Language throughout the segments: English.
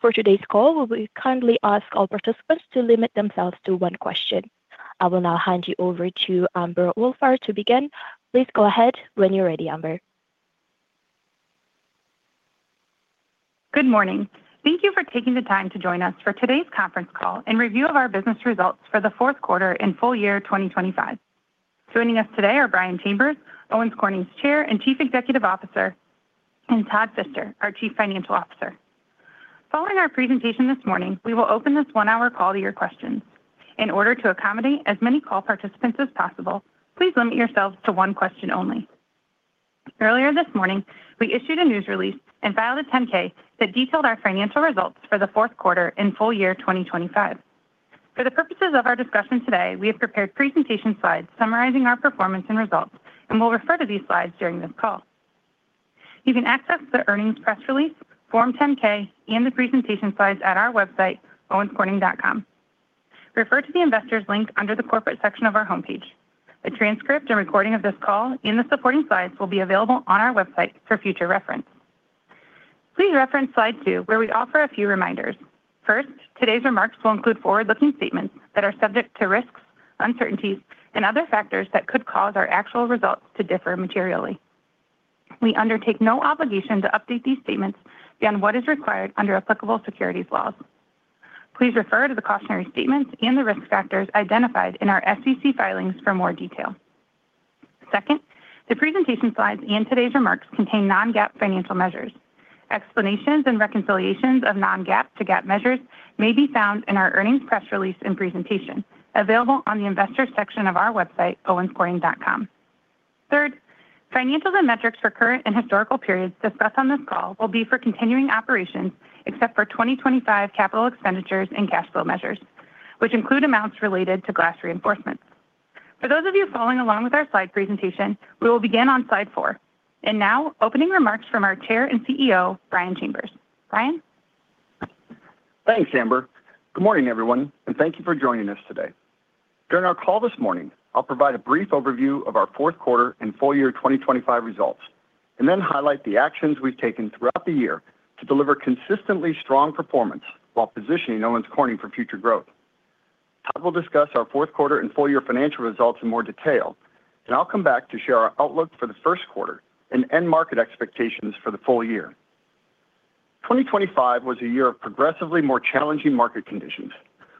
For today's call, we kindly ask all participants to limit themselves to one question. I will now hand you over to Amber Wohlfarth to begin. Please go ahead when you're ready, Amber. Good morning. Thank you for taking the time to join us for today's conference call and review of our business results for the fourth quarter and full year 2025. Joining us today are Brian Chambers, Owens Corning's Chair and Chief Executive Officer, and Todd Fister, our Chief Financial Officer. Following our presentation this morning, we will open this one-hour call to your questions. In order to accommodate as many call participants as possible, please limit yourselves to one question only. Earlier this morning, we issued a news release and filed a 10-K that detailed our financial results for the fourth quarter and full year 2025. For the purposes of our discussion today, we have prepared presentation slides summarizing our performance and results, and we'll refer to these slides during this call. You can access the earnings press release, Form 10-K, and the presentation slides at our website, owenscorning.com. Refer to the Investors link under the Corporate section of our homepage. A transcript and recording of this call and the supporting slides will be available on our website for future reference. Please reference Slide 2, where we offer a few reminders. First, today's remarks will include forward-looking statements that are subject to risks, uncertainties, and other factors that could cause our actual results to differ materially. We undertake no obligation to update these statements beyond what is required under applicable securities laws. Please refer to the cautionary statements and the risk factors identified in our SEC filings for more detail. Second, the presentation slides and today's remarks contain non-GAAP financial measures. Explanations and reconciliations of non-GAAP to GAAP measures may be found in our earnings press release and presentation, available on the Investors section of our website, owenscorning.com. Third, financials and metrics for current and historical periods discussed on this call will be for continuing operations, except for 2025 capital expenditures and cash flow measures, which include amounts related to glass reinforcements. For those of you following along with our slide presentation, we will begin on Slide 4. Now, opening remarks from our Chair and CEO, Brian Chambers. Brian? Thanks, Amber. Good morning, everyone. Thank you for joining us today. During our call this morning, I'll provide a brief overview of our fourth quarter and full year 2025 results. Then highlight the actions we've taken throughout the year to deliver consistently strong performance while positioning Owens Corning for future growth. Todd will discuss our fourth quarter and full year financial results in more detail. I'll come back to share our outlook for the first quarter and end market expectations for the full year. 2025 was a year of progressively more challenging market conditions,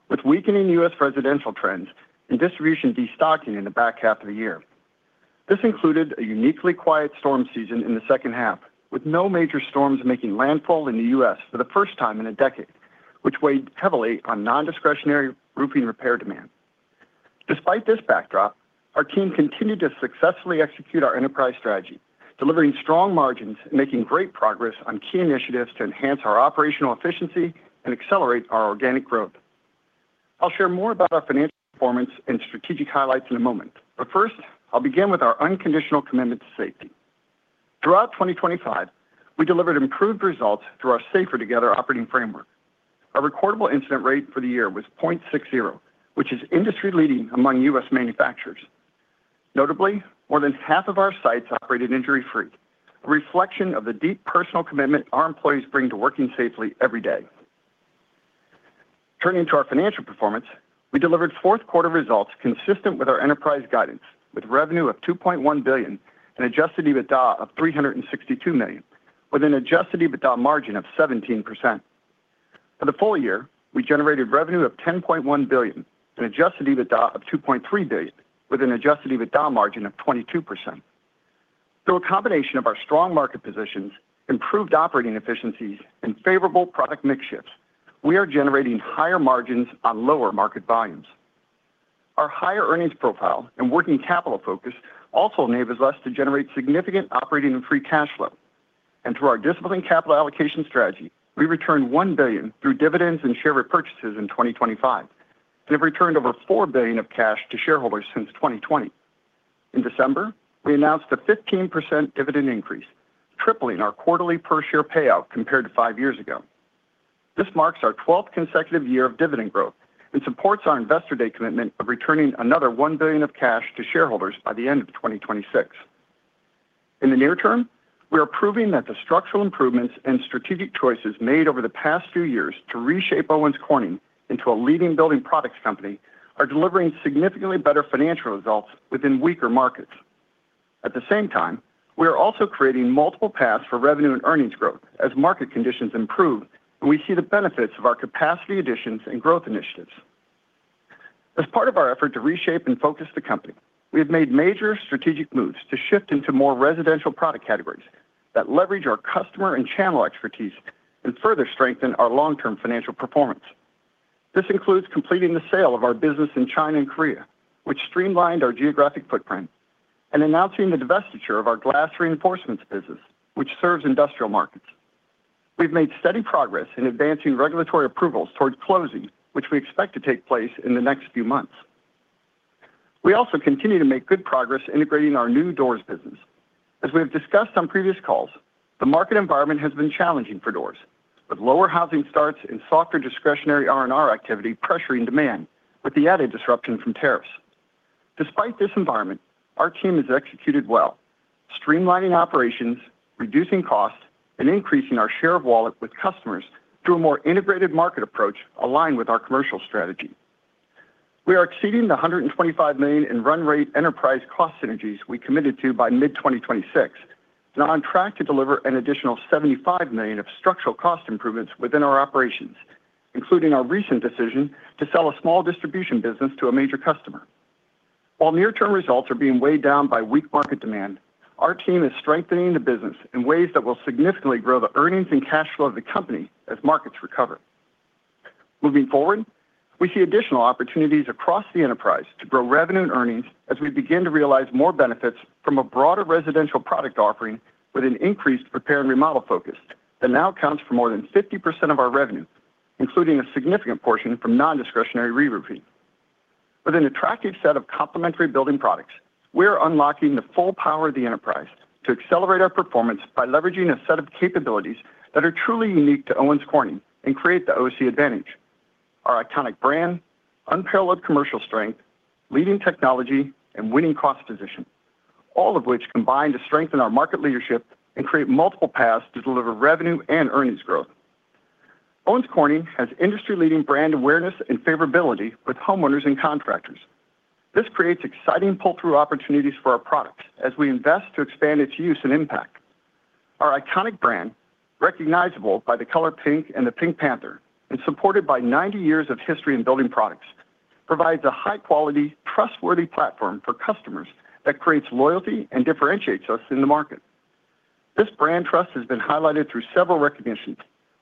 with weakening U.S. residential trends and distribution destocking in the back half of the year. This included a uniquely quiet storm season in the second half, with no major storms making landfall in the U.S. for the first time in a decade, which weighed heavily on non-discretionary roofing repair demand. Despite this backdrop, our team continued to successfully execute our enterprise strategy, delivering strong margins and making great progress on key initiatives to enhance our operational efficiency and accelerate our organic growth. I'll share more about our financial performance and strategic highlights in a moment. First, I'll begin with our unconditional commitment to safety. Throughout 2025, we delivered improved results through our Safer Together operating framework. Our recordable incident rate for the year was 0.60, which is industry-leading among U.S. manufacturers. Notably, more than half of our sites operated injury-free, a reflection of the deep personal commitment our employees bring to working safely every day. Turning to our financial performance, we delivered fourth quarter results consistent with our enterprise guidance, with revenue of $2.1 billion and Adjusted EBITDA of $362 million, with an Adjusted EBITDA margin of 17%. For the full year, we generated revenue of $10.1 billion and Adjusted EBITDA of $2.3 billion, with an Adjusted EBITDA margin of 22%. Through a combination of our strong market positions, improved operating efficiencies, and favorable product mix shifts, we are generating higher margins on lower market volumes. Our higher earnings profile and working capital focus also enables us to generate significant operating and free cash flow. Through our disciplined capital allocation strategy, we returned $1 billion through dividends and share repurchases in 2025, and have returned over $4 billion of cash to shareholders since 2020. In December, we announced a 15% dividend increase, tripling our quarterly per share payout compared to five years ago. This marks our 12th consecutive year of dividend growth and supports our Investor Day commitment of returning another $1 billion of cash to shareholders by the end of 2026. In the near term, we are proving that the structural improvements and strategic choices made over the past few years to reshape Owens Corning into a leading building products company are delivering significantly better financial results within weaker markets. At the same time, we are also creating multiple paths for revenue and earnings growth as market conditions improve, and we see the benefits of our capacity additions and growth initiatives. As part of our effort to reshape and focus the company, we have made major strategic moves to shift into more residential product categories that leverage our customer and channel expertise and further strengthen our long-term financial performance. This includes completing the sale of our business in China and Korea, which streamlined our geographic footprint, and announcing the divestiture of our glass reinforcements business, which serves industrial markets. We've made steady progress in advancing regulatory approvals towards closing, which we expect to take place in the next few months. We also continue to make good progress integrating our new Doors business. As we have discussed on previous calls, the market environment has been challenging for Doors, with lower housing starts and softer discretionary R&R activity pressuring demand, with the added disruption from tariffs. Despite this environment, our team has executed well streamlining operations, reducing costs, and increasing our share of wallet with customers through a more integrated market approach aligned with our commercial strategy. We are exceeding the $125 million in run rate enterprise cost synergies we committed to by mid 2026, and on track to deliver an additional $75 million of structural cost improvements within our operations, including our recent decision to sell a small distribution business to a major customer. While near-term results are being weighed down by weak market demand, our team is strengthening the business in ways that will significantly grow the earnings and cash flow of the company as markets recover. Moving forward, we see additional opportunities across the enterprise to grow revenue and earnings as we begin to realize more benefits from a broader residential product offering with an increased prepare and remodel focus that now accounts for more than 50% of our revenue, including a significant portion from non-discretionary reroofing. With an attractive set of complementary building products, we are unlocking the full power of the enterprise to accelerate our performance by leveraging a set of capabilities that are truly unique to Owens Corning and create The OC Advantage. Our iconic brand, unparalleled commercial strength, leading technology, and winning cost position, all of which combine to strengthen our market leadership and create multiple paths to deliver revenue and earnings growth. Owens Corning has industry-leading brand awareness and favorability with homeowners and contractors. This creates exciting pull-through opportunities for our products as we invest to expand its use and impact. Our iconic brand, recognizable by the color pink and the Pink Panther, and supported by 90 years of history and building products, provides a high-quality, trustworthy platform for customers that creates loyalty and differentiates us in the market. This brand trust has been highlighted through several recognitions,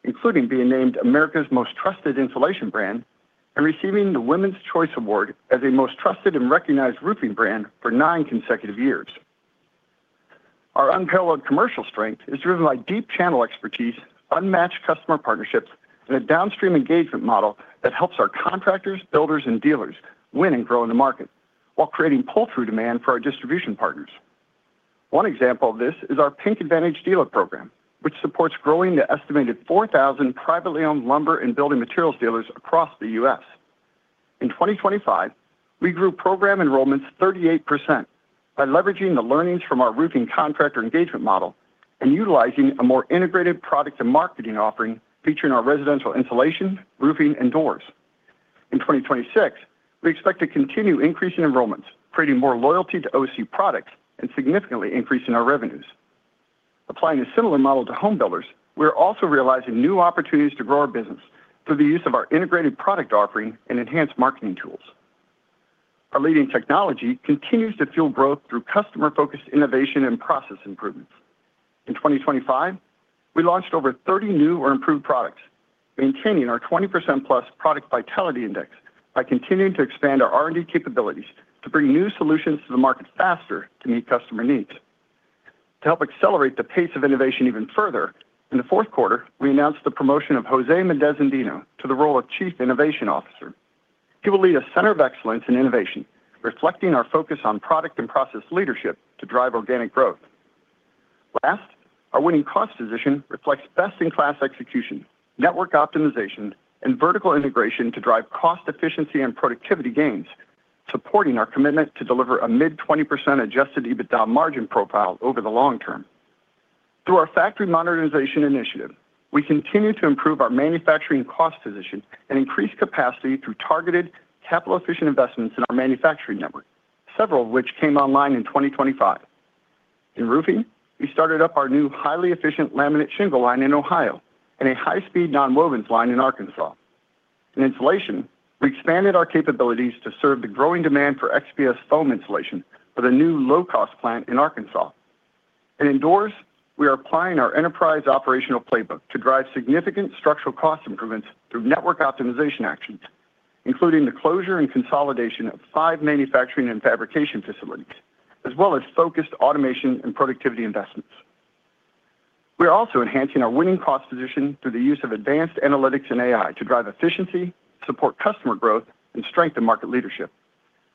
including being named America's Most Trusted Insulation Brand and receiving the Women's Choice Award as a Most Trusted and Recognized Roofing Brand for nine consecutive years. Our unparalleled commercial strength is driven by deep channel expertise, unmatched customer partnerships, and a downstream engagement model that helps our contractors, builders, and dealers win and grow in the market while creating pull-through demand for our distribution partners. One example of this is our Pink Advantage Dealer program, which supports growing the estimated 4,000 privately owned lumber and building materials dealers across the U.S. In 2025, we grew program enrollments 38% by leveraging the learnings from our roofing contractor engagement model and utilizing a more integrated product and marketing offering, featuring our residential insulation, roofing, and Doors. In 2026, we expect to continue increasing enrollments, creating more loyalty to OC products, and significantly increasing our revenues. Applying a similar model to home builders, we are also realizing new opportunities to grow our business through the use of our integrated product offering and enhanced marketing tools. Our leading technology continues to fuel growth through customer-focused innovation and process improvements. In 2025, we launched over 30 new or improved products, maintaining our 20%+ Product Vitality Index by continuing to expand our R&D capabilities to bring new solutions to the market faster to meet customer needs. To help accelerate the pace of innovation even further, in the fourth quarter, we announced the promotion of José Méndez-Andino to the role of Chief Innovation Officer. He will lead a center of excellence in innovation, reflecting our focus on product and process leadership to drive organic growth. Last, our winning cost position reflects best-in-class execution, network optimization, and vertical integration to drive cost efficiency and productivity gains, supporting our commitment to deliver a mid-20% Adjusted EBITDA margin profile over the long term. Through our factory modernization initiative, we continue to improve our manufacturing cost position and increase capacity through targeted capital-efficient investments in our manufacturing network, several of which came online in 2025. In roofing, we started up our new highly efficient laminate shingle line in Ohio and a high-speed nonwovens line in Arkansas. In insulation, we expanded our capabilities to serve the growing demand for XPS foam insulation with a new low-cost plant in Arkansas. In Doors, we are applying our enterprise operational playbook to drive significant structural cost improvements through network optimization actions, including the closure and consolidation of 5 manufacturing and fabrication facilities, as well as focused automation and productivity investments. We are also enhancing our winning cost position through the use of advanced analytics and AI to drive efficiency, support customer growth, and strengthen market leadership.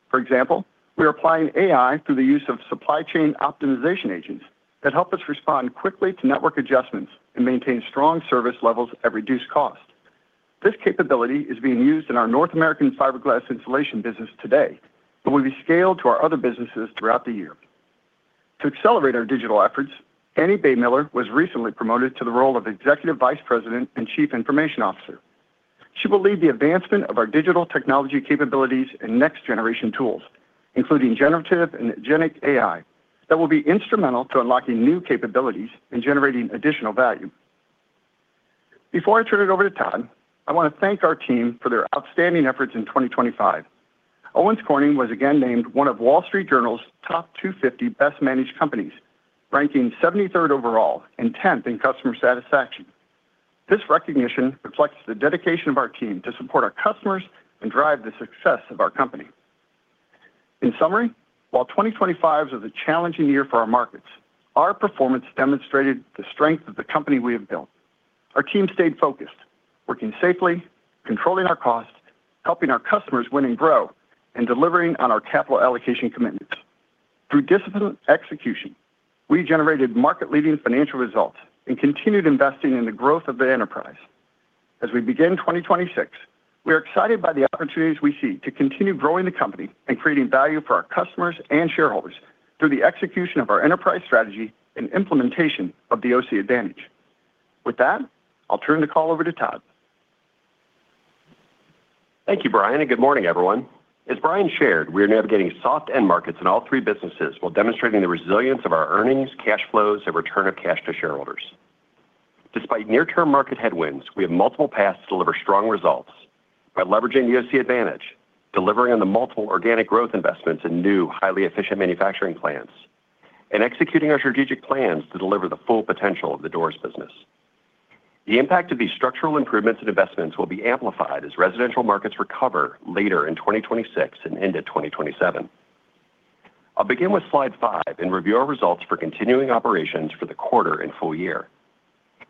For example, we are applying AI through the use of supply chain optimization agents that help us respond quickly to network adjustments and maintain strong service levels at reduced cost. This capability is being used in our North American fiberglass insulation business today, but will be scaled to our other businesses throughout the year. To accelerate our digital efforts, Annie Baymiller was recently promoted to the role of Executive Vice President and Chief Information Officer. She will lead the advancement of our digital technology capabilities and next-generation tools, including generative and generative AI, that will be instrumental to unlocking new capabilities and generating additional value. Before I turn it over to Todd, I want to thank our team for their outstanding efforts in 2025. Owens Corning was again named one of The Wall Street Journal's top 250 Best Managed Companies, ranking 73rd overall and 10th in customer satisfaction. This recognition reflects the dedication of our team to support our customers and drive the success of our company. In summary, while 2025 was a challenging year for our markets, our performance demonstrated the strength of the company we have built. Our team stayed focused, working safely, controlling our costs, helping our customers win and grow, and delivering on our capital allocation commitments. Through disciplined execution, we generated market-leading financial results and continued investing in the growth of the enterprise. As we begin 2026, we are excited by the opportunities we see to continue growing the company and creating value for our customers and shareholders through the execution of our enterprise strategy and implementation of the OC Advantage. With that, I'll turn the call over to Todd. Thank you, Brian, and good morning, everyone. As Brian shared, we are navigating soft end markets in all three businesses while demonstrating the resilience of our earnings, cash flows, and return of cash to shareholders. Despite near-term market headwinds, we have multiple paths to deliver strong results by leveraging The OC Advantage, delivering on the multiple organic growth investments in new, highly efficient manufacturing plants, and executing our strategic plans to deliver the full potential of the Doors business. The impact of these structural improvements and investments will be amplified as residential markets recover later in 2026 and into 2027. I'll begin with Slide 5 and review our results for continuing operations for the quarter and full year.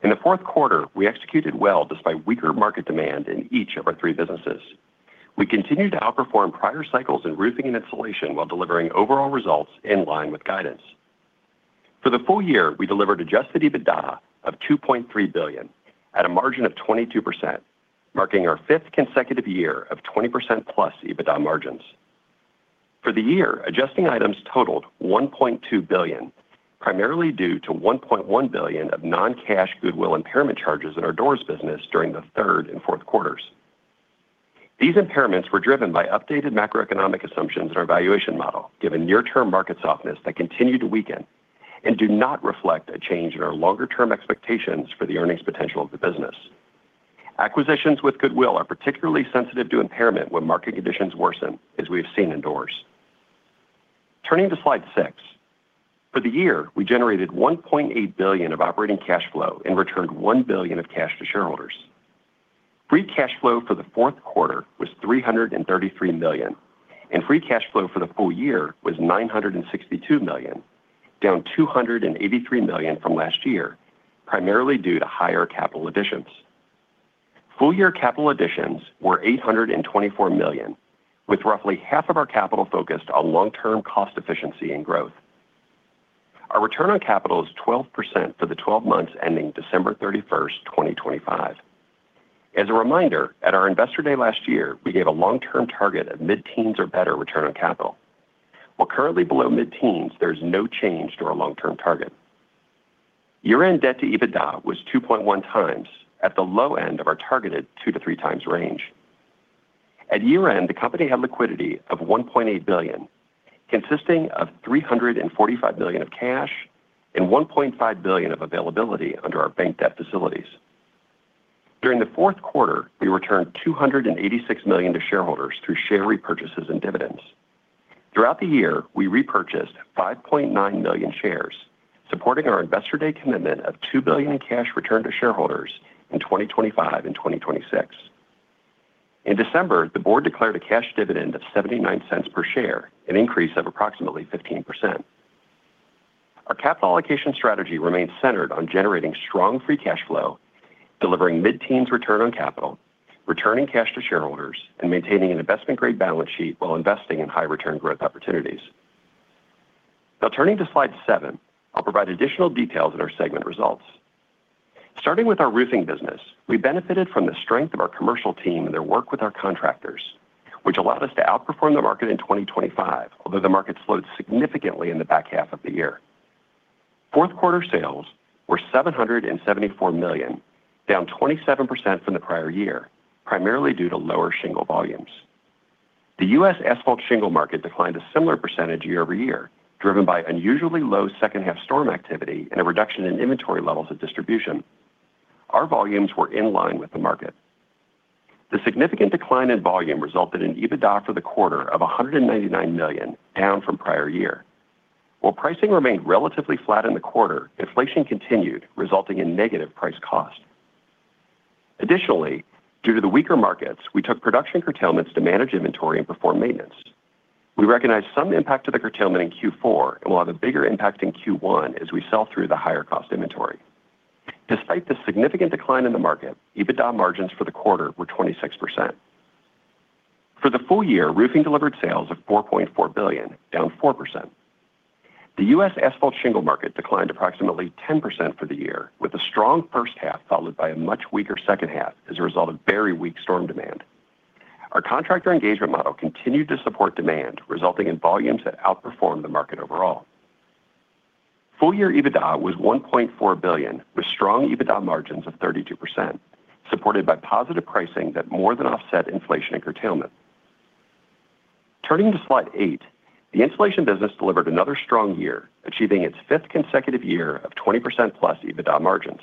In the fourth quarter, we executed well despite weaker market demand in each of our three businesses. We continued to outperform prior cycles in roofing and insulation while delivering overall results in line with guidance. For the full year, we delivered Adjusted EBITDA of $2.3 billion at a margin of 22%, marking our fifth consecutive year of 20%+ EBITDA margins. For the year, adjusting items totaled $1.2 billion, primarily due to $1.1 billion of non-cash goodwill impairment charges in our Doors business during the third and fourth quarters. These impairments were driven by updated macroeconomic assumptions in our valuation model, given near-term market softness that continued to weaken and do not reflect a change in our longer-term expectations for the earnings potential of the business. Acquisitions with goodwill are particularly sensitive to impairment when market conditions worsen, as we have seen in Doors. Turning to Slide 6. For the year, we generated $1.8 billion of operating cash flow and returned $1 billion of cash to shareholders. Free cash flow for the fourth quarter was $333 million, and free cash flow for the full year was $962 million, down $283 million from last year, primarily due to higher capital additions. Full-year capital additions were $824 million, with roughly half of our capital focused on long-term cost efficiency and growth. Our return on capital is 12% for the 12 months ending December 31st, 2025. As a reminder, at our Investor Day last year, we gave a long-term target of mid-teens or better return on capital. While currently below mid-teens, there is no change to our long-term target. Year-end debt to EBITDA was 2.1 times, at the low end of our targeted 2-3 times range. At year-end, the company had liquidity of $1.8 billion, consisting of $345 million of cash and $1.5 billion of availability under our bank debt facilities. During the fourth quarter, we returned $286 million to shareholders through share repurchases and dividends. Throughout the year, we repurchased 5.9 million shares, supporting our Investor Day commitment of $2 billion in cash returned to shareholders in 2025 and 2026. In December, the board declared a cash dividend of $0.79 per share, an increase of approximately 15%. Our capital allocation strategy remains centered on generating strong free cash flow, delivering mid-teens return on capital, returning cash to shareholders, and maintaining an investment-grade balance sheet while investing in high-return growth opportunities. Turning to Slide 7, I'll provide additional details on our segment results. Starting with our Roofing business, we benefited from the strength of our commercial team and their work with our contractors, which allowed us to outperform the market in 2025, although the market slowed significantly in the back half of the year. fourth quarter sales were $774 million, down 27% from the prior year, primarily due to lower shingle volumes. The U.S. asphalt shingle market declined a similar percentage year-over-year, driven by unusually low second-half storm activity and a reduction in inventory levels of distribution. Our volumes were in line with the market. The significant decline in volume resulted in EBITDA for the quarter of $199 million, down from prior year. While pricing remained relatively flat in the quarter, inflation continued, resulting in negative price cost. Additionally, due to the weaker markets, we took production curtailments to manage inventory and perform maintenance. We recognized some impact of the curtailment in Q4 and will have a bigger impact in Q1 as we sell through the higher cost inventory. Despite the significant decline in the market, EBITDA margins for the quarter were 26%. For the full year, Roofing delivered sales of $4.4 billion, down 4%. The U.S. asphalt shingle market declined approximately 10% for the year, with a strong first half, followed by a much weaker second half as a result of very weak storm demand. Our contractor engagement model continued to support demand, resulting in volumes that outperformed the market overall. Full year EBITDA was $1.4 billion, with strong EBITDA margins of 32%, supported by positive pricing that more than offset inflation and curtailment. Turning to Slide 8, the Insulation business delivered another strong year, achieving its fifth consecutive year of 20% plus EBITDA margins.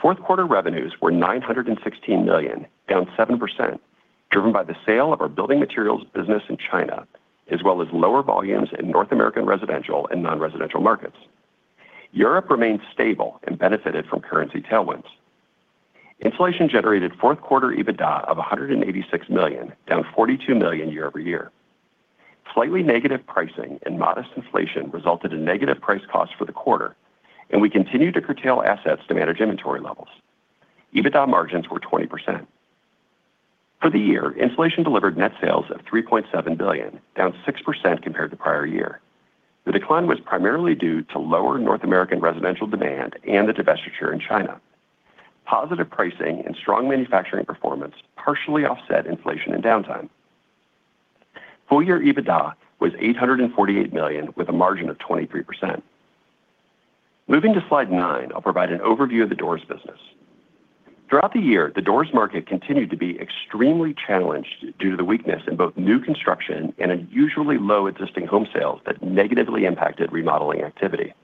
Fourth quarter revenues were $916 million, down 7%, driven by the sale of our building materials business in China, as well as lower volumes in North American residential and non-residential markets. Europe remained stable and benefited from currency tailwinds. Insulation generated fourth quarter EBITDA of $186 million, down $42 million year-over-year. Slightly negative pricing and modest inflation resulted in negative price costs for the quarter, and we continued to curtail assets to manage inventory levels. EBITDA margins were 20%. For the year, insulation delivered net sales of $3.7 billion, down 6% compared to prior year. The decline was primarily due to lower North American residential demand and the divestiture in China. Positive pricing and strong manufacturing performance partially offset inflation and downtime. Full year EBITDA was $848 million, with a margin of 23%. Moving to Slide 9, I'll provide an overview of the Doors business. Throughout the year, the Doors market continued to be extremely challenged due to the weakness in both new construction and unusually low existing home sales that negatively impacted remodeling activity.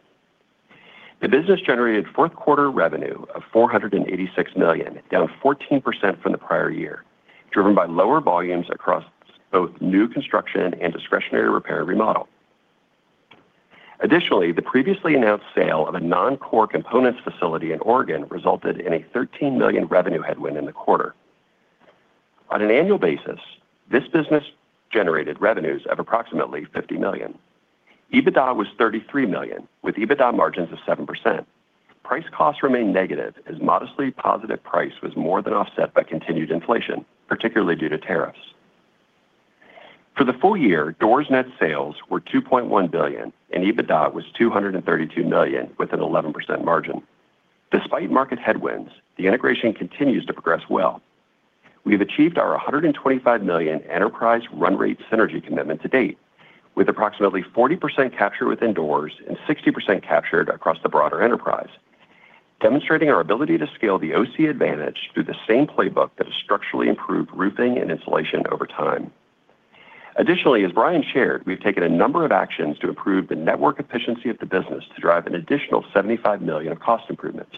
The business generated fourth quarter revenue of $486 million, down 14% from the prior year, driven by lower volumes across both new construction and discretionary repair remodel. Additionally, the previously announced sale of a non-core components facility in Oregon resulted in a $13 million revenue headwind in the quarter. On an annual basis, this business generated revenues of approximately $50 million. EBITDA was $33 million, with EBITDA margins of 7%. Price costs remained negative as modestly positive price was more than offset by continued inflation, particularly due to tariffs. For the full year, Doors net sales were $2.1 billion, and EBITDA was $232 million, with an 11% margin. Despite market headwinds, the integration continues to progress well. We've achieved our $125 million enterprise run rate synergy commitment to date, with approximately 40% captured within Doors and 60% captured across the broader enterprise, demonstrating our ability to scale The OC Advantage through the same playbook that has structurally improved roofing and insulation over time. Additionally, as Brian shared, we've taken a number of actions to improve the network efficiency of the business to drive an additional $75 million of cost improvements.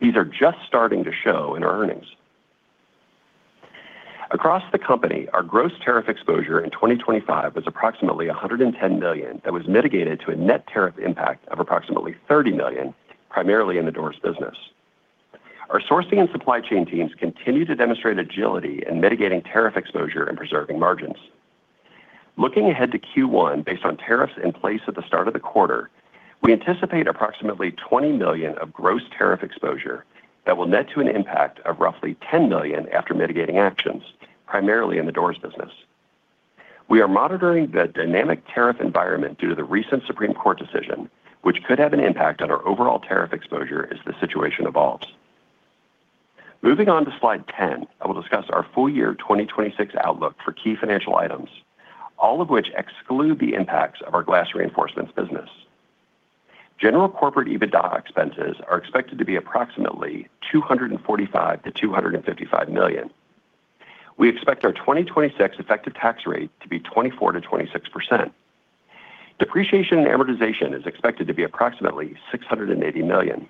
These are just starting to show in our earnings. Across the company, our gross tariff exposure in 2025 was approximately $110 million. That was mitigated to a net tariff impact of approximately $30 million, primarily in the Doors business. Our sourcing and supply chain teams continue to demonstrate agility in mitigating tariff exposure and preserving margins. Looking ahead to Q1, based on tariffs in place at the start of the quarter, we anticipate approximately $20 million of gross tariff exposure that will net to an impact of roughly $10 million after mitigating actions, primarily in the Doors business. We are monitoring the dynamic tariff environment due to the recent Supreme Court decision, which could have an impact on our overall tariff exposure as the situation evolves. Moving on to Slide 10, I will discuss our full year 2026 outlook for key financial items, all of which exclude the impacts of our glass reinforcements business. General corporate EBITDA expenses are expected to be approximately $245 million-$255 million. We expect our 2026 effective tax rate to be 24%-26%. Depreciation and amortization is expected to be approximately $680 million.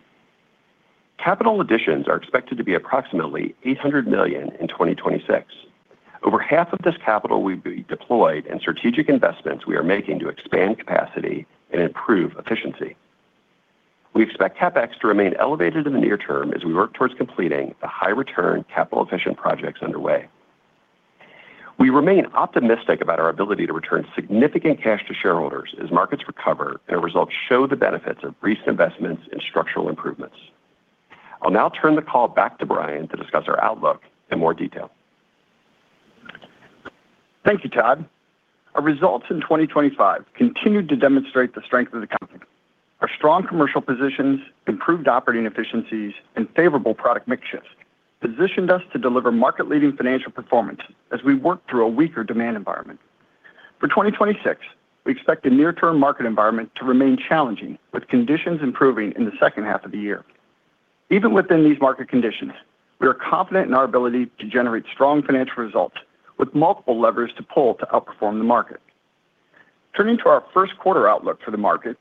Capital additions are expected to be approximately $800 million in 2026. Over half of this capital will be deployed in strategic investments we are making to expand capacity and improve efficiency. We expect CapEx to remain elevated in the near term as we work towards completing the high return, capital-efficient projects underway. We remain optimistic about our ability to return significant cash to shareholders as markets recover and our results show the benefits of recent investments and structural improvements. I'll now turn the call back to Brian to discuss our outlook in more detail. Thank you, Todd. Our results in 2025 continued to demonstrate the strength of the company. Our strong commercial positions, improved operating efficiencies, and favorable product mix shift positioned us to deliver market-leading financial performance as we work through a weaker demand environment. For 2026, we expect the near-term market environment to remain challenging, with conditions improving in the second half of the year. Even within these market conditions, we are confident in our ability to generate strong financial results, with multiple levers to pull to outperform the market. Turning to our first quarter outlook for the market,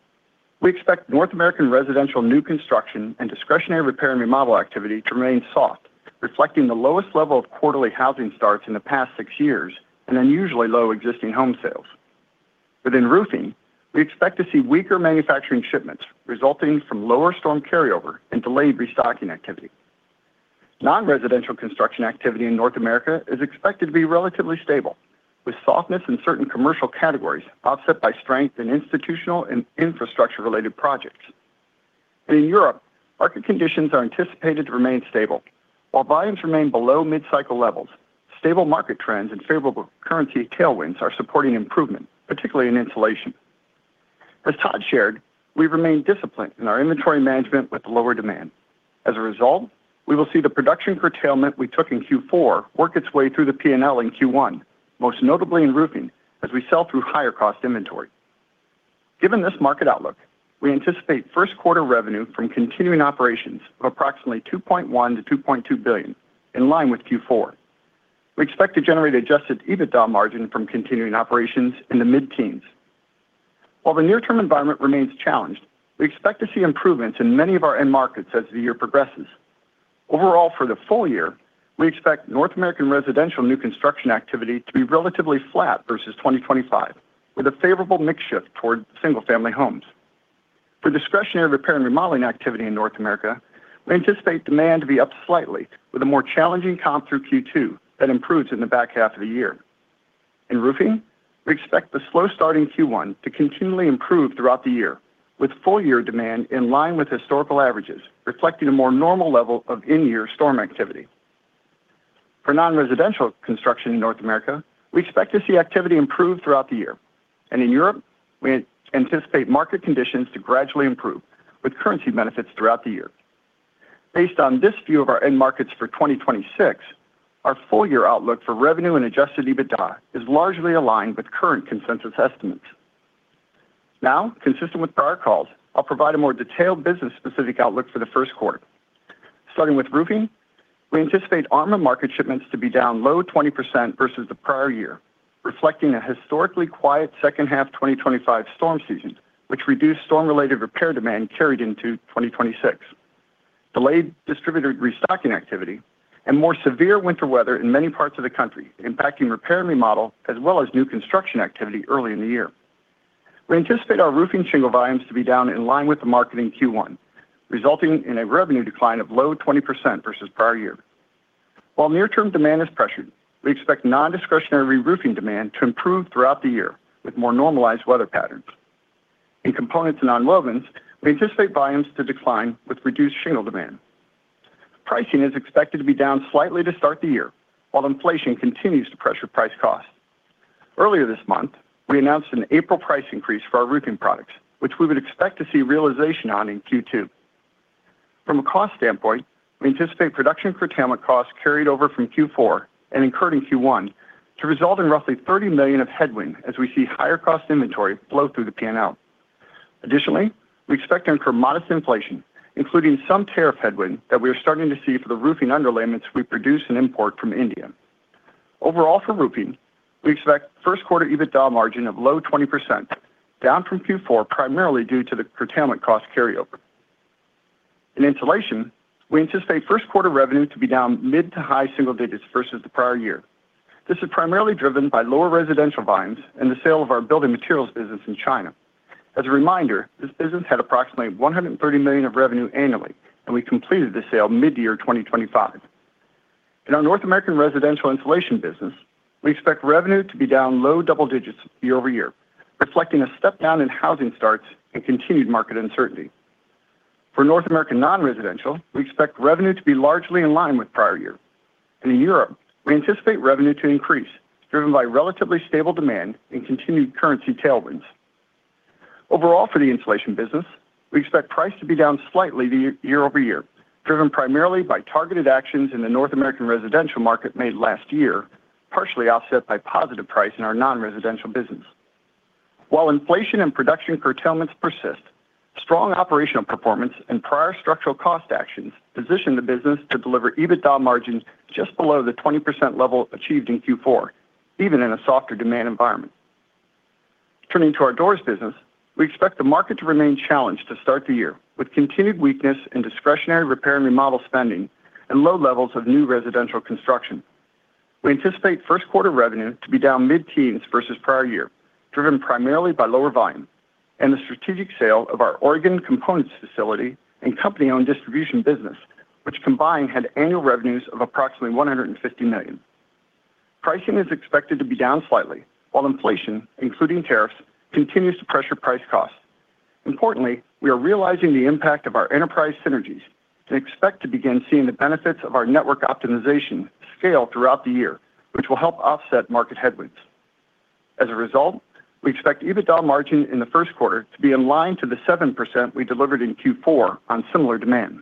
we expect North American residential new construction and discretionary repair and remodel activity to remain soft, reflecting the lowest level of quarterly housing starts in the past six years and unusually low existing home sales. Within roofing, we expect to see weaker manufacturing shipments resulting from lower storm carryover and delayed restocking activity. Non-residential construction activity in North America is expected to be relatively stable, with softness in certain commercial categories offset by strength in institutional and infrastructure-related projects. In Europe, market conditions are anticipated to remain stable. While volumes remain below mid-cycle levels, stable market trends and favorable currency tailwinds are supporting improvement, particularly in insulation. As Todd shared, we remain disciplined in our inventory management with lower demand. As a result, we will see the production curtailment we took in Q4 work its way through the P&L in Q1, most notably in roofing, as we sell through higher-cost inventory. Given this market outlook, we anticipate first quarter revenue from continuing operations of approximately $2.1 billion-$2.2 billion, in line with Q4. We expect to generate Adjusted EBITDA margin from continuing operations in the mid-teens. While the near-term environment remains challenged, we expect to see improvements in many of our end markets as the year progresses. Overall, for the full year, we expect North American residential new construction activity to be relatively flat versus 2025, with a favorable mix shift toward single-family homes. For discretionary repair and remodeling activity in North America, we anticipate demand to be up slightly, with a more challenging comp through Q2 that improves in the back half of the year. In roofing, we expect the slow starting Q1 to continually improve throughout the year, with full-year demand in line with historical averages, reflecting a more normal level of in-year storm activity. For non-residential construction in North America, we expect to see activity improve throughout the year. In Europe, we anticipate market conditions to gradually improve with currency benefits throughout the year. Based on this view of our end markets for 2026, our full year outlook for revenue and Adjusted EBITDA is largely aligned with current consensus estimates. Now, consistent with prior calls, I'll provide a more detailed business-specific outlook for the first quarter. Starting with roofing, we anticipate laminator market shipments to be down low 20% versus the prior year, reflecting a historically quiet second half 2025 storm season, which reduced storm-related repair demand carried into 2026. Delayed distributor restocking activity and more severe winter weather in many parts of the country, impacting repair and remodel, as well as new construction activity early in the year. We anticipate our roofing shingle volumes to be down in line with the market in Q1, resulting in a revenue decline of low 20% versus prior year. While near-term demand is pressured, we expect non-discretionary roofing demand to improve throughout the year with more normalized weather patterns. In components and nonwovens, we anticipate volumes to decline with reduced shingle demand. Pricing is expected to be down slightly to start the year, while inflation continues to pressure price costs. Earlier this month, we announced an April price increase for our roofing products, which we would expect to see realization on in Q2. From a cost standpoint, we anticipate production curtailment costs carried over from Q4 and incurred in Q1 to result in roughly $30 million of headwind as we see higher cost inventory flow through the P&L. Additionally, we expect to incur modest inflation, including some tariff headwind that we are starting to see for the roofing underlayments we produce and import from India. Overall, for roofing, we expect first quarter EBITDA margin of low 20%, down from Q4, primarily due to the curtailment cost carryover. In insulation, we anticipate first quarter revenue to be down mid to high single digits versus the prior year. This is primarily driven by lower residential volumes and the sale of our building materials business in China. As a reminder, this business had approximately $130 million of revenue annually, and we completed the sale mid-year 2025. In our North American residential insulation business, we expect revenue to be down low double digits year-over-year, reflecting a step down in housing starts and continued market uncertainty. For North American non-residential, we expect revenue to be largely in line with prior year. In Europe, we anticipate revenue to increase, driven by relatively stable demand and continued currency tailwinds. Overall, for the insulation business, we expect price to be down slightly year-over-year, driven primarily by targeted actions in the North American residential market made last year, partially offset by positive price in our non-residential business. While inflation and production curtailments persist, strong operational performance and prior structural cost actions position the business to deliver EBITDA margins just below the 20% level achieved in Q4, even in a softer demand environment. Turning to our Doors business, we expect the market to remain challenged to start the year, with continued weakness in discretionary repair and remodel spending and low levels of new residential construction. We anticipate first quarter revenue to be down mid-teens versus prior year, driven primarily by lower volume and the strategic sale of our Oregon components facility and company-owned distribution business, which combined had annual revenues of approximately $150 million. Pricing is expected to be down slightly, while inflation, including tariffs, continues to pressure price costs. Importantly, we are realizing the impact of our enterprise synergies and expect to begin seeing the benefits of our network optimization scale throughout the year, which will help offset market headwinds. As a result, we expect EBITDA margin in the first quarter to be in line to the 7% we delivered in Q4 on similar demand.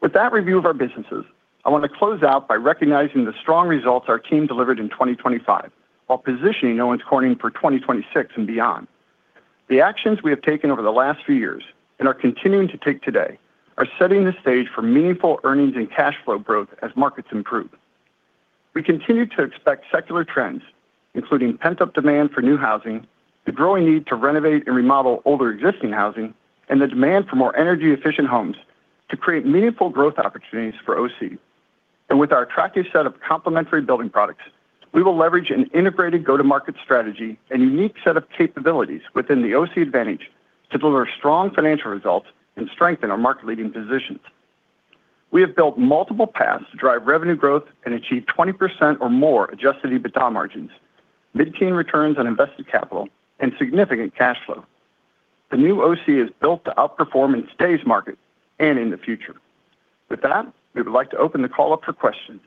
With that review of our businesses, I want to close out by recognizing the strong results our team delivered in 2025, while positioning Owens Corning for 2026 and beyond. The actions we have taken over the last few years and are continuing to take today are setting the stage for meaningful earnings and cash flow growth as markets improve. We continue to expect secular trends, including pent-up demand for new housing, the growing need to renovate and remodel older, existing housing, and the demand for more energy-efficient homes to create meaningful growth opportunities for OC. With our attractive set of complementary building products, we will leverage an integrated go-to-market strategy and unique set of capabilities within The OC Advantage to deliver strong financial results and strengthen our market-leading positions. We have built multiple paths to drive revenue growth and achieve 20% or more Adjusted EBITDA margins, mid-teen returns on invested capital, and significant cash flow. The new OC is built to outperform in today's market and in the future. With that, we would like to open the call up for questions.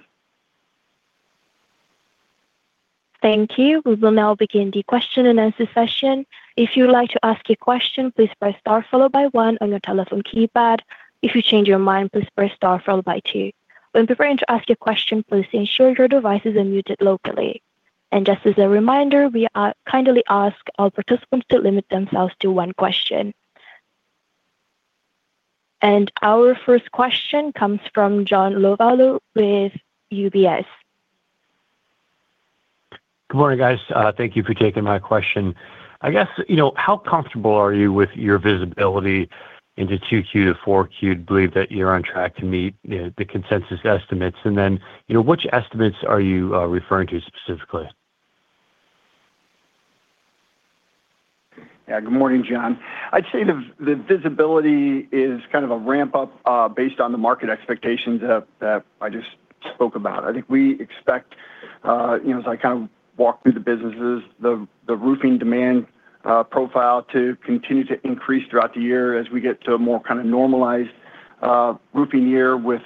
Thank you. We will now begin the question-and-answer session. If you would like to ask a question, please press star followed by one on your telephone keypad. If you change your mind, please press star followed by two. When preparing to ask your question, please ensure your devices are muted locally. Just as a reminder, we kindly ask all participants to limit themselves to one question. Our first question comes from John Lovallo with UBS. Good morning, guys. Thank you for taking my question. I guess, you know, how comfortable are you with your visibility into 2Q to 4Q? Do you believe that you're on track to meet the consensus estimates? Then, you know, which estimates are you referring to specifically? Yeah, good morning, John. I'd say the visibility is kind of a ramp up based on the market expectations that I just spoke about. I think we expect, you know, as I kind of walk through the businesses, the roofing demand profile to continue to increase throughout the year as we get to a more kind of normalized roofing year with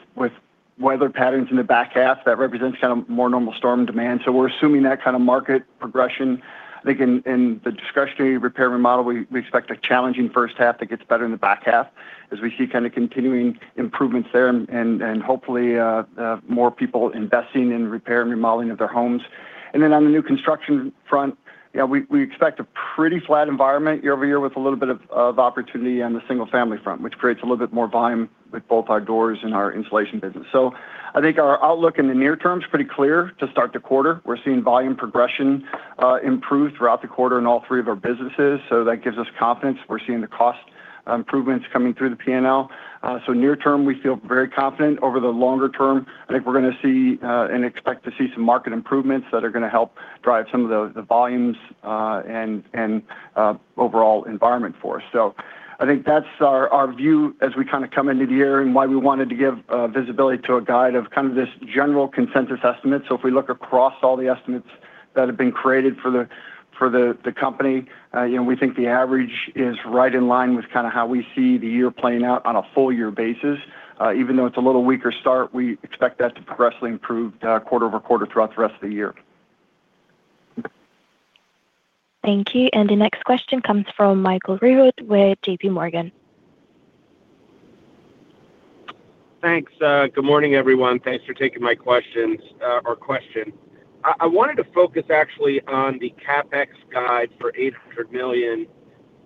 weather patterns in the back half. That represents kind of more normal storm demand. We're assuming that kind of market progression. I think in the discretionary repair and remodel, we expect a challenging first half that gets better in the back half as we see kind of continuing improvements there and hopefully, more people investing in repair and remodeling of their homes. On the new construction front, we expect a pretty flat environment year-over-year with a little bit of opportunity on the single family front, which creates a little bit more volume with both our Doors and our insulation business. I think our outlook in the near term is pretty clear to start the quarter. We're seeing volume progression improve throughout the quarter in all three of our businesses, so that gives us confidence. We're seeing the cost improvements coming through the P&L. Near term, we feel very confident. Over the longer term, I think we're gonna see and expect to see some market improvements that are gonna help drive some of the volumes and overall environment for us. I think that's our view as we kind of come into the year and why we wanted to give visibility to a guide of kind of this general consensus estimate. If we look across all the estimates that have been created for the, for the company, you know, we think the average is right in line with kind of how we see the year playing out on a full year basis. Even though it's a little weaker start, we expect that to progressively improve quarter over quarter throughout the rest of the year. Thank you. The next question comes from Michael Rehaut with JP Morgan. Thanks. Good morning, everyone. Thanks for taking my questions, or question. I wanted to focus actually on the CapEx guide for $800 million.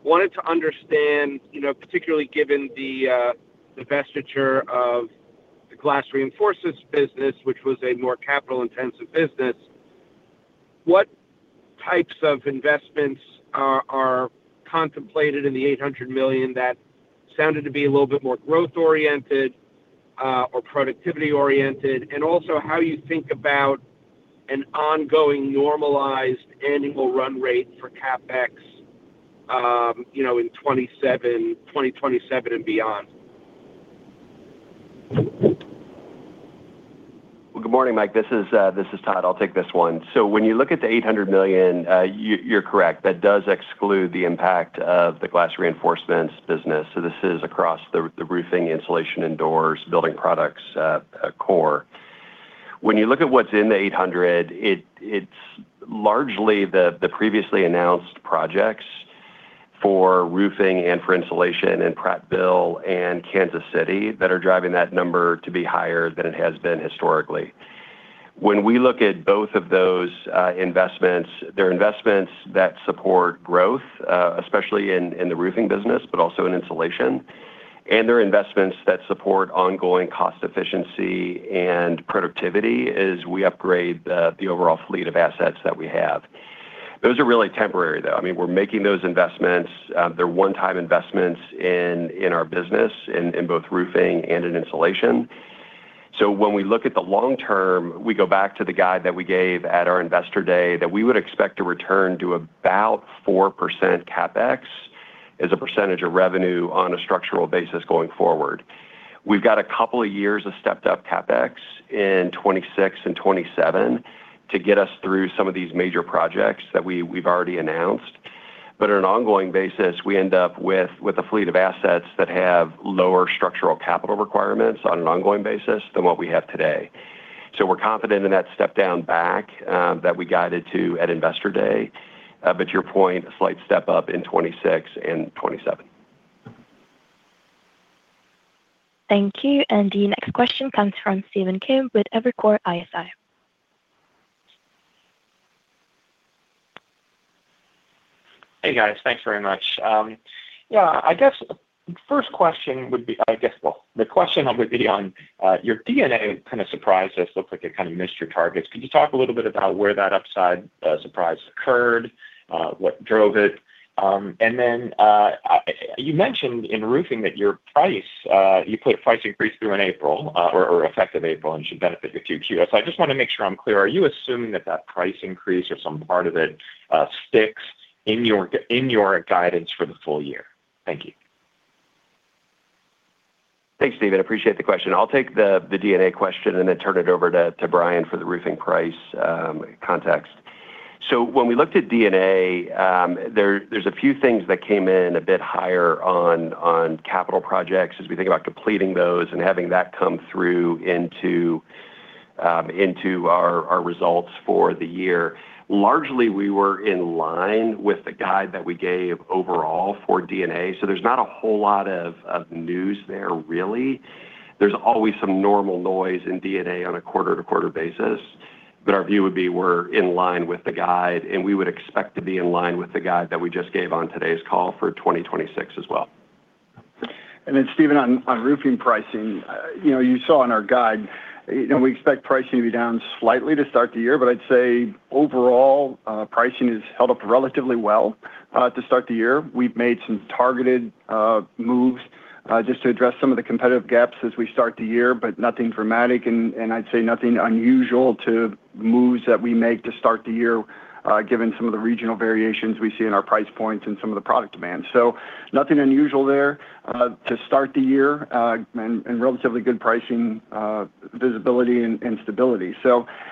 Wanted to understand, you know, particularly given the divestiture of the glass reinforcements business, which was a more capital-intensive business, what types of investments are contemplated in the $800 million that sounded to be a little bit more growth oriented, or productivity oriented? Also, how you think about an ongoing normalized annual run rate for CapEx, you know, in 2027 and beyond? Well, good morning, Mike. This is, this is Todd. I'll take this one. When you look at the $800 million, you're correct, that does exclude the impact of the glass reinforcements business. This is across the Roofing, Insulation and Doors, building products, core. When you look at what's in the $800, it's largely the previously announced projects for Roofing and for Insulation in Prattville and Kansas City that are driving that number to be higher than it has been historically. When we look at both of those, investments, they're investments that support growth, especially in the Roofing business, but also in Insulation. They're investments that support ongoing cost efficiency and productivity as we upgrade the overall fleet of assets that we have. Those are really temporary, though. I mean, we're making those investments, they're one-time investments in our business, in both roofing and in insulation. When we look at the long term, we go back to the guide that we gave at our Investor Day, that we would expect to return to about 4% CapEx as a % of revenue on a structural basis going forward. We've got a couple of years of stepped up CapEx in 2026 and 2027 to get us through some of these major projects that we've already announced. On an ongoing basis, we end up with a fleet of assets that have lower structural capital requirements on an ongoing basis than what we have today. We're confident in that step down back that we guided to at Investor Day. To your point, a slight step up in 2026 and 2027. Thank you. The next question comes from Stephen Kim with Evercore ISI. Hey, guys. Thanks very much. I guess the first question would be, well, the question would be on your DNA kind of surprised us. Looked like you kind of missed your targets. Could you talk a little bit about where that upside surprise occurred, what drove it? And then you mentioned in roofing that your price, you put a price increase through in April, or effective April, and should benefit a few Qs. I just want to make sure I'm clear. Are you assuming that that price increase or some part of it sticks in your guidance for the full year? Thank you. Thanks, Stephen. I appreciate the question. I'll take the DNA question and then turn it over to Brian for the roofing price context. When we looked at DNA, there's a few things that came in a bit higher on capital projects as we think about completing those and having that come through into our results for the year. Largely, we were in line with the guide that we gave overall for DNA, there's not a whole lot of news there, really. There's always some normal noise in DNA on a quarter-to-quarter basis, our view would be we're in line with the guide, we would expect to be in line with the guide that we just gave on today's call for 2026 as well. Stephen, on roofing pricing, you know, you saw in our guide, you know, we expect pricing to be down slightly to start the year, I'd say overall, pricing has held up relatively well to start the year. We've made some targeted just to address some of the competitive gaps as we start the year, nothing dramatic and I'd say nothing unusual to moves that we make to start the year, given some of the regional variations we see in our price points and some of the product demand. Nothing unusual there to start the year, and relatively good pricing visibility and stability.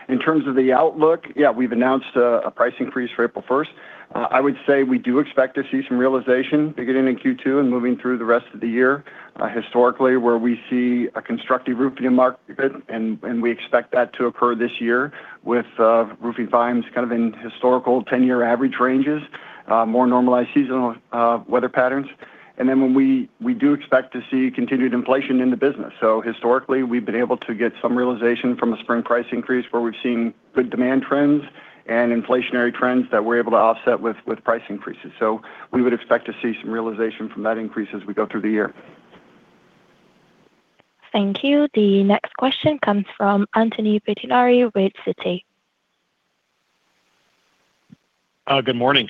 In terms of the outlook, yeah, we've announced a price increase for April first. I would say we do expect to see some realization to get in in Q2 and moving through the rest of the year. Historically, where we see a constructive roofing market, and we expect that to occur this year with roofing volumes kind of in historical 10-year average ranges, more normalized seasonal weather patterns. When we do expect to see continued inflation in the business. Historically, we've been able to get some realization from a spring price increase, where we've seen good demand trends and inflationary trends that we're able to offset with price increases. We would expect to see some realization from that increase as we go through the year. Thank you. The next question comes from Anthony Pettinari with Citi. Good morning.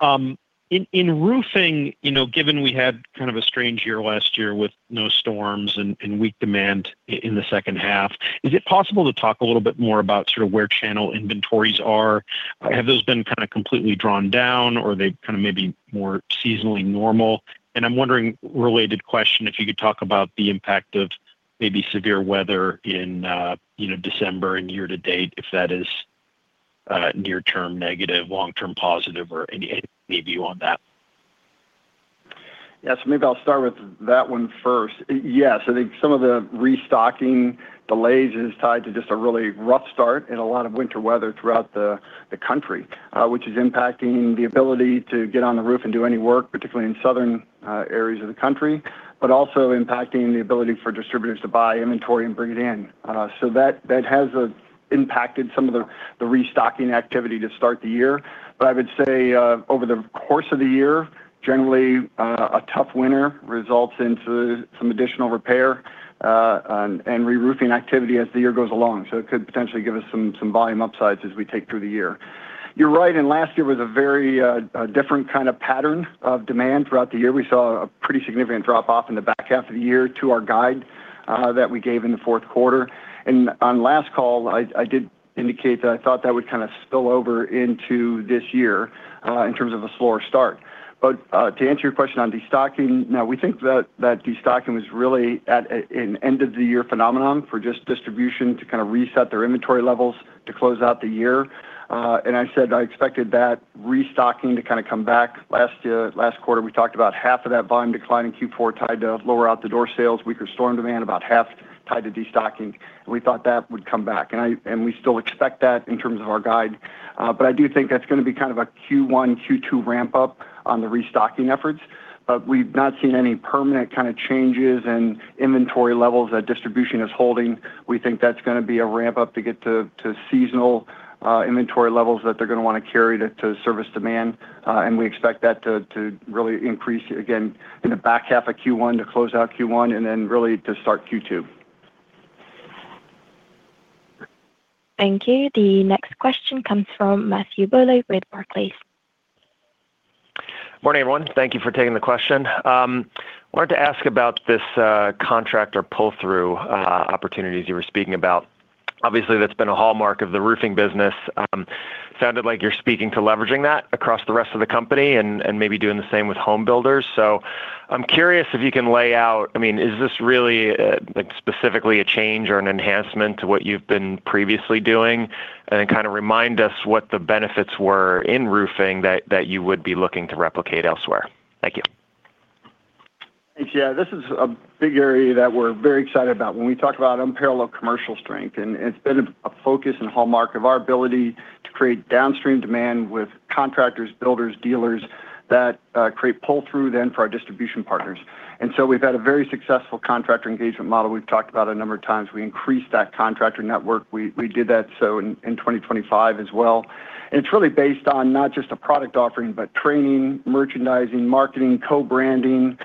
In, in roofing, you know, given we had kind of a strange year last year with no storms and weak demand in the second half, is it possible to talk a little bit more about sort of where channel inventories are? Have those been kind of completely drawn down, or are they kind of maybe more seasonally normal? I'm wondering, related question, if you could talk about the impact of maybe severe weather in, you know, December and year to date, if that is, near-term negative, long-term positive, or any maybe view on that? Maybe I'll start with that one first. I think some of the restocking delays is tied to just a really rough start and a lot of winter weather throughout the country, which is impacting the ability to get on the roof and do any work, particularly in southern areas of the country, but also impacting the ability for distributors to buy inventory and bring it in. That has impacted some of the restocking activity to start the year. I would say, over the course of the year, generally, a tough winter results into some additional repair and reroofing activity as the year goes along. It could potentially give us some volume upsides as we take through the year. You're right, and last year was a very different kind of pattern of demand throughout the year. We saw a pretty significant drop-off in the back half of the year to our guide that we gave in the fourth quarter. On last call, I did indicate that I thought that would kind of spill over into this year in terms of a slower start. To answer your question on destocking, no, we think that destocking was really an end-of-the-year phenomenon for just distribution to kind of reset their inventory levels to close out the year. I said I expected that restocking to kind of come back. Last quarter, we talked about half of that volume decline in Q4, tied to lower out-the-door sales, weaker storm demand, about half tied to destocking, and we thought that would come back. We still expect that in terms of our guide, but I do think that's gonna be kind of a Q1, Q2 ramp-up on the restocking efforts. We've not seen any permanent kind of changes in inventory levels that distribution is holding. We think that's gonna be a ramp-up to get to seasonal inventory levels that they're gonna wanna carry to service demand. We expect that to really increase again in the back half of Q1, to close out Q1, and then really to start Q2. Thank you. The next question comes from Matthew Bouley with Barclays. Morning, everyone. Thank you for taking the question. wanted to ask about this contractor pull-through opportunities you were speaking about. Obviously, that's been a hallmark of the roofing business. sounded like you're speaking to leveraging that across the rest of the company and maybe doing the same with home builders. I'm curious if you can lay out, I mean, is this really, like, specifically a change or an enhancement to what you've been previously doing? Then kind of remind us what the benefits were in roofing that you would be looking to replicate elsewhere. Thank you. Yeah, this is a big area that we're very excited about when we talk about unparalleled commercial strength, and it's been a focus and hallmark of our ability to create downstream demand with contractors, builders, dealers, that create pull-through then for our distribution partners. We've had a very successful contractor engagement model. We've talked about a number of times. We increased that contractor network. We did that so in 2025 as well. It's really based on not just a product offering, but training, merchandising, marketing, co-branding,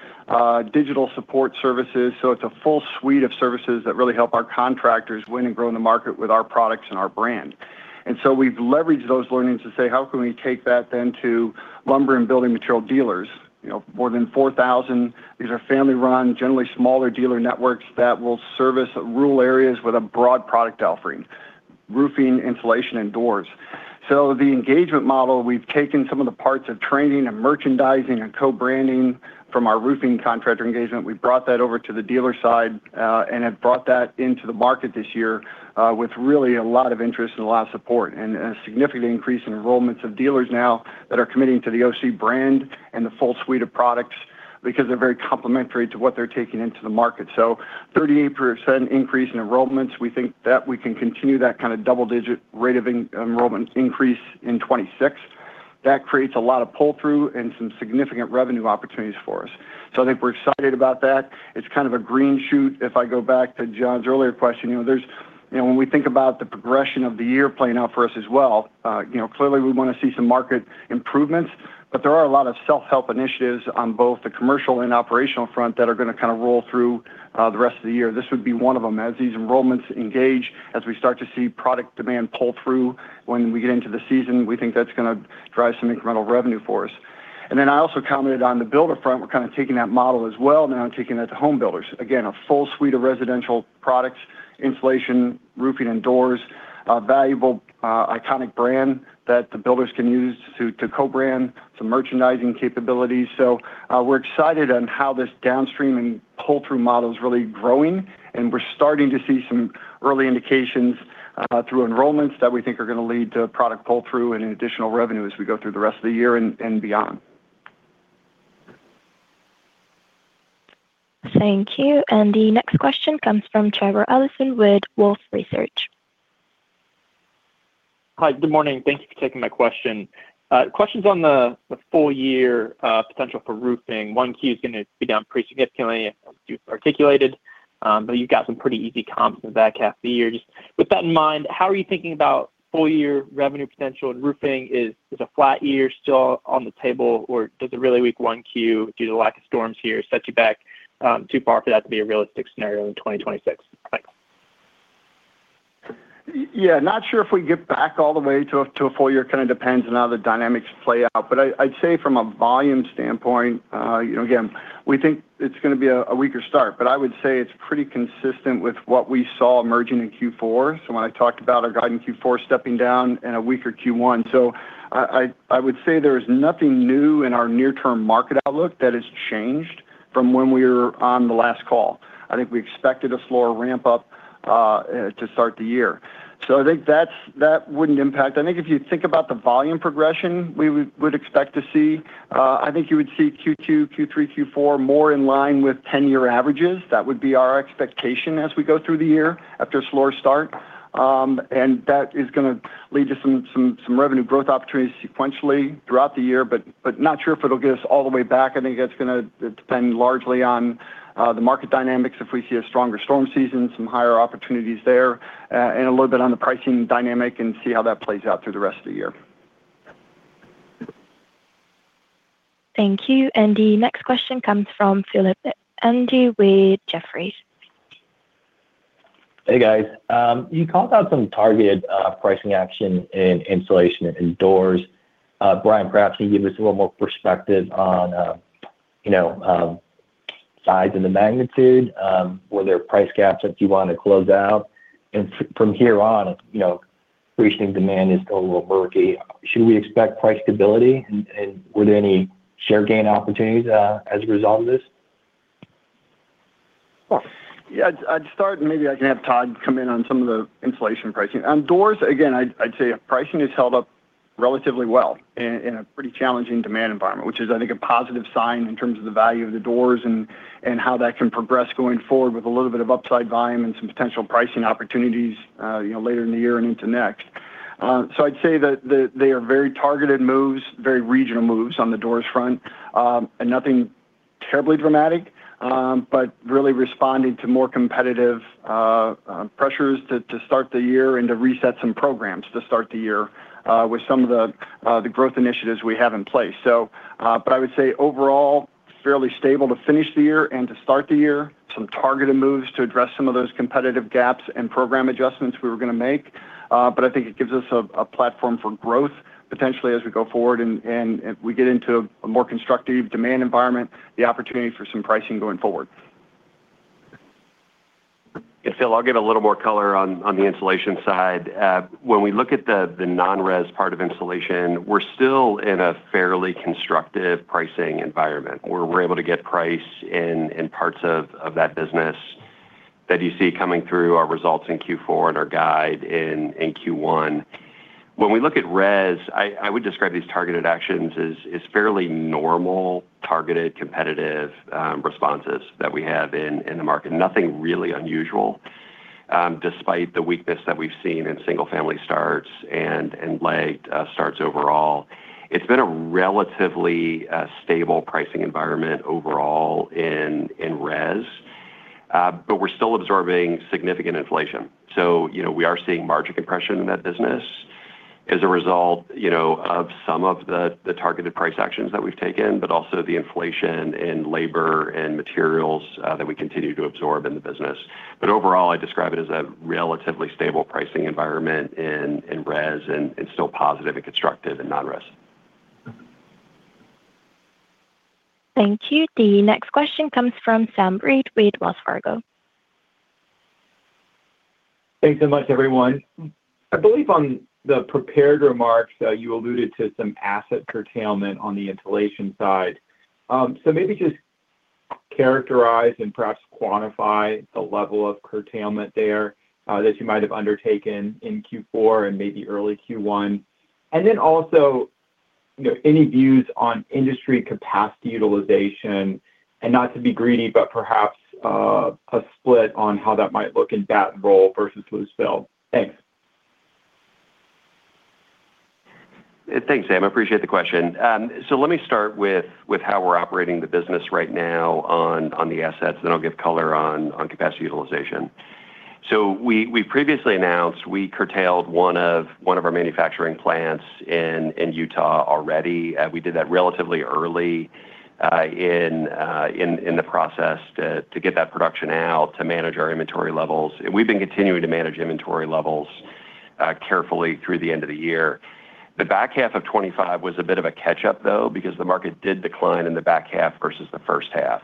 digital support services. It's a full suite of services that really help our contractors win and grow in the market with our products and our brand. We've leveraged those learnings to say: How can we take that then to lumber and building material dealers? You know, more than 4,000, these are family-run, generally smaller dealer networks that will service rural areas with a broad product offering, roofing, insulation, and doors. The engagement model, we've taken some of the parts of training and merchandising and co-branding from our roofing contractor engagement. We've brought that over to the dealer side and have brought that into the market this year with really a lot of interest and a lot of support, and a significant increase in enrollments of dealers now that are committing to the OC brand and the full suite of products because they're very complementary to what they're taking into the market. 38% increase in enrollments, we think that we can continue that kind of double-digit rate of enrollment increase in 2026. That creates a lot of pull-through and some significant revenue opportunities for us. I think we're excited about that. It's kind of a green shoot. If I go back to John's earlier question, you know, when we think about the progression of the year playing out for us as well, you know, clearly we want to see some market improvements, but there are a lot of self-help initiatives on both the commercial and operational front that are gonna kind of roll through the rest of the year. This would be one of them. As these enrollments engage, as we start to see product demand pull through when we get into the season, we think that's gonna drive some incremental revenue for us. I also commented on the builder front. We're kind of taking that model as well, now I'm taking that to home builders. Again, a full suite of residential products, insulation, roofing, and Doors, a valuable iconic brand that the builders can use to co-brand, some merchandising capabilities. We're excited on how this downstream and pull-through model is really growing, and we're starting to see some early indications through enrollments that we think are gonna lead to product pull-through and additional revenue as we go through the rest of the year and beyond. Thank you. The next question comes from Truman Sugiura with Wolfe Research. Hi, good morning. Thank you for taking my question. Question's on the full year potential for roofing. 1 Q is gonna be down pretty significantly, as you articulated, but you've got some pretty easy comps in the back half of the year. Just with that in mind, how are you thinking about full year revenue potential in roofing? Is a flat year still on the table, or does the really weak 1 Q, due to the lack of storms here, set you back too far for that to be a realistic scenario in 2026? Thanks. Yeah, not sure if we can get back all the way to a full year. Kind of depends on how the dynamics play out. I'd say from a volume standpoint, you know, again, we think it's going to be a weaker start, but I would say it's pretty consistent with what we saw emerging in Q4. When I talked about our guide in Q4 stepping down in a weaker Q1. I would say there is nothing new in our near-term market outlook that has changed from when we were on the last call. I think we expected a slower ramp-up to start the year. I think that wouldn't impact. I think if you think about the volume progression we would expect to see, I think you would see Q2, Q3, Q4 more in line with 10-year averages. That would be our expectation as we go through the year after a slower start. That is gonna lead to some revenue growth opportunities sequentially throughout the year, but not sure if it'll get us all the way back. I think that's gonna depend largely on the market dynamics. If we see a stronger storm season, some higher opportunities there, and a little bit on the pricing dynamic, and see how that plays out through the rest of the year. Thank you. The next question comes from Philip Ng with Jefferies. Hey, guys. You called out some targeted pricing action in insulation and doors. Brian, perhaps can you give us a little more perspective on, you know, size and the magnitude? Were there price gaps that you wanted to close out? From here on, you know, reaching demand is still a little murky. Should we expect price stability, and were there any share gain opportunities as a result of this? Sure. Yeah, I'd start, maybe I can have Todd come in on some of the insulation pricing. On doors, again, I'd say pricing has held up relatively well in a pretty challenging demand environment, which is, I think, a positive sign in terms of the value of the doors and how that can progress going forward with a little bit of upside volume and some potential pricing opportunities, you know, later in the year and into next. I'd say that they are very targeted moves, very regional moves on the doors front, nothing terribly dramatic, but really responding to more competitive pressures to start the year and to reset some programs to start the year, with some of the growth initiatives we have in place. I would say overall, fairly stable to finish the year and to start the year. Some targeted moves to address some of those competitive gaps and program adjustments we were gonna make. I think it gives us a platform for growth, potentially as we go forward and we get into a more constructive demand environment, the opportunity for some pricing going forward. Yeah, Phil, I'll give a little more color on the insulation side. When we look at the non-res part of insulation, we're still in a fairly constructive pricing environment, where we're able to get price in parts of that business that you see coming through our results in Q4 and our guide in Q1. When we look at res, I would describe these targeted actions as fairly normal, targeted, competitive responses that we have in the market. Nothing really unusual, despite the weakness that we've seen in single-family starts and lagged starts overall. It's been a relatively stable pricing environment overall in res, but we're still absorbing significant inflation. You know, we are seeing margin compression in that business as a result, you know, of some of the targeted price actions that we've taken, but also the inflation in labor and materials that we continue to absorb in the business. Overall, I'd describe it as a relatively stable pricing environment in res, and still positive and constructive in non-res. Thank you. The next question comes from Sam Reid with Wells Fargo. Thanks so much, everyone. I believe on the prepared remarks, you alluded to some asset curtailment on the insulation side. Maybe just characterize and perhaps quantify the level of curtailment there, that you might have undertaken in Q4 and maybe early Q1. Also, you know, any views on industry capacity utilization, and not to be greedy, but perhaps, a split on how that might look in bat, roll versus loosefill. Thanks. Thanks, Sam. I appreciate the question. Let me start with how we're operating the business right now on the assets, then I'll give color on capacity utilization. We previously announced we curtailed one of our manufacturing plants in Utah already. We did that relatively early in the process to get that production out, to manage our inventory levels. We've been continuing to manage inventory levels carefully through the end of the year. The back half of 2025 was a bit of a catch-up, though, because the market did decline in the back half versus the first half.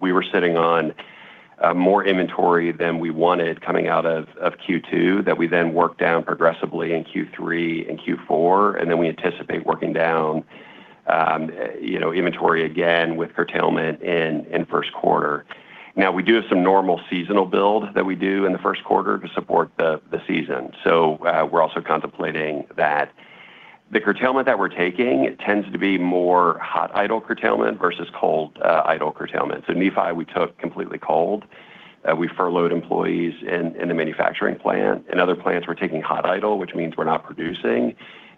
We were sitting on more inventory than we wanted coming out of Q2, that we then worked down progressively in Q3 and Q4, and then we anticipate working down, you know, inventory again with curtailment in first quarter. We do have some normal seasonal build that we do in the first quarter to support the season, so we're also contemplating that. The curtailment that we're taking tends to be more hot idle curtailment versus cold idle curtailment. Nephi, we took completely cold. We furloughed employees in the manufacturing plant. In other plants we're taking hot idle, which means we're not producing,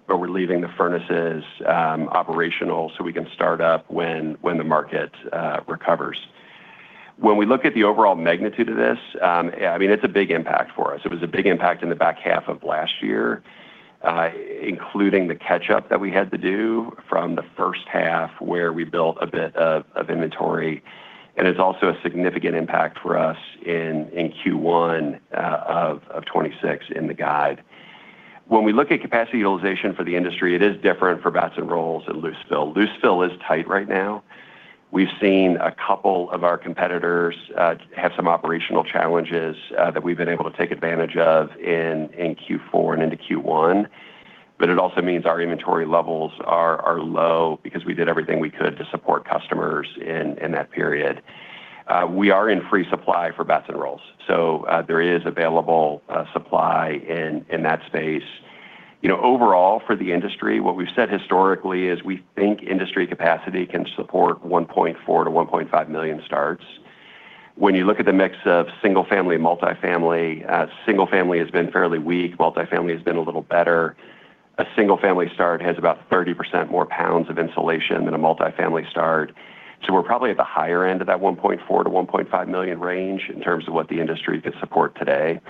but we're leaving the furnaces operational, so we can start up when the market recovers. When we look at the overall magnitude of this, I mean, it's a big impact for us. It was a big impact in the back half of last year, including the catch-up that we had to do from the first half, where we built a bit of inventory. It's also a significant impact for us in Q1 of 2026 in the guide. When we look at capacity utilization for the industry, it is different for batts and rolls at Loosefill. Loosefill is tight right now. We've seen a couple of our competitors have some operational challenges that we've been able to take advantage of in Q4 and into Q1. It also means our inventory levels are low because we did everything we could to support customers in that period. We are in free supply for batts and rolls, there is available supply in that space. You know, overall, for the industry, what we've said historically is we think industry capacity can support 1.4 million-1.5 million starts. When you look at the mix of single-family, multifamily, single-family has been fairly weak, multifamily has been a little better. A single-family start has about 30% more pounds of insulation than a multifamily start. We're probably at the higher end of that 1.4 million-1.5 million range in terms of what the industry could support today.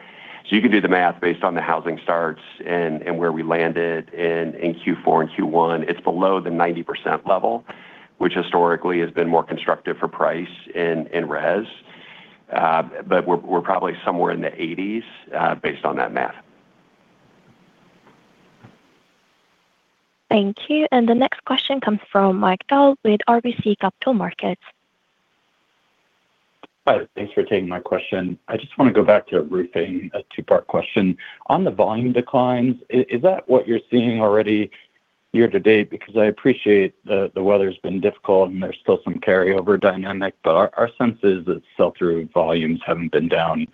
You can do the math based on the housing starts and where we landed in Q4 and Q1. It's below the 90% level, which historically has been more constructive for price in res, we're probably somewhere in the eighties based on that math. Thank you. The next question comes from Mike Dahl with RBC Capital Markets. Hi, thanks for taking my question. I just wanna go back to Roofing, a two-part question. On the volume declines, is that what you're seeing already year to date? Because I appreciate the weather's been difficult, and there's still some carryover dynamic, but our sense is that sell-through volumes haven't been down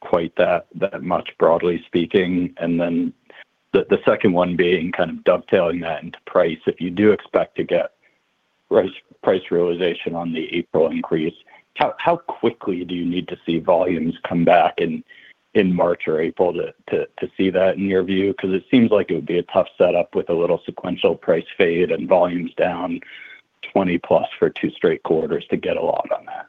quite that much, broadly speaking. The second one being, kind of dovetailing that into price, if you do expect to get price realization on the April increase, how quickly do you need to see volumes come back in March or April to see that in your view? Because it seems like it would be a tough setup with a little sequential price fade and volumes down 20+ for two straight quarters to get a lot on that.